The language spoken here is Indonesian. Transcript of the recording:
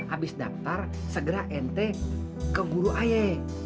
abis daftar segera ente ke guru ayek